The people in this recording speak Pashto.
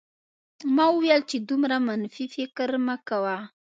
ما وویل چې دومره منفي فکر مه کوه